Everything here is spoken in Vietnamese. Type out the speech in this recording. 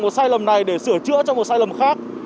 một sai lầm này để sửa chữa cho một sai lầm khác